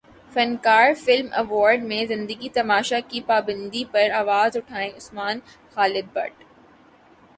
فنکار film award میں زندگی تماشا کی پابندی پر اواز اٹھائیں عثمان خالد بٹ